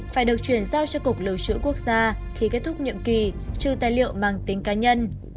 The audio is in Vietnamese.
phải được chuyển giao cho cục lưu trữ quốc gia khi kết thúc nhiệm kỳ trừ tài liệu mang tính cá nhân